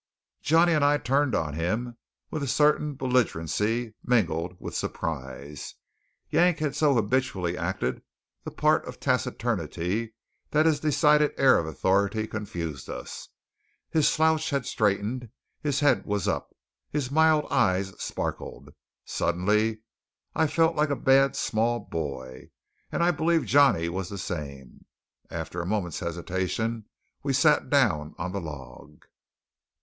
Johnny and I turned on him with a certain belligerency mingled with surprise. Yank had so habitually acted the part of taciturnity that his decided air of authority confused us. His slouch had straightened, his head was up, his mild eye sparkled. Suddenly I felt like a bad small boy; and I believe Johnny was the same. After a moment's hesitation we sat down on the log.